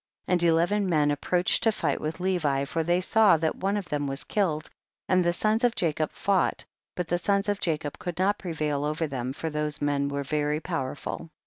40. And eleven men approached to fight with Levi, for they saw that one of them was killed, and the sons of Jacob fought, but the sons of Jacob could not prevail over them, for those men were very powerful, 41.